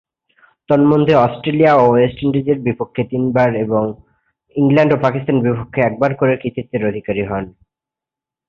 তন্মধ্যে অস্ট্রেলিয়া ও ওয়েস্ট ইন্ডিজের বিপক্ষে তিনবার করে এবং ইংল্যান্ড ও পাকিস্তানের বিপক্ষে একবার করে এ কৃতিত্বের অধিকারী হন।